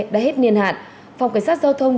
đã hết niên hạn phòng cảnh sát giao thông